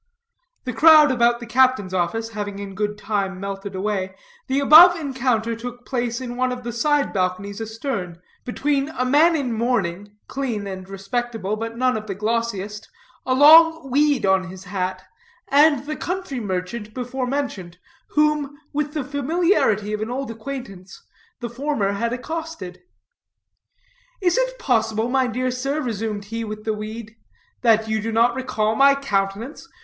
The crowd about the captain's office, having in good time melted away, the above encounter took place in one of the side balconies astern, between a man in mourning clean and respectable, but none of the glossiest, a long weed on his hat, and the country merchant before mentioned, whom, with the familiarity of an old acquaintance, the former had accosted. "Is it possible, my dear sir," resumed he with the weed, "that you do not recall my countenance?